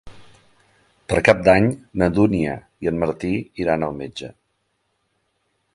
Per Cap d'Any na Dúnia i en Martí iran al metge.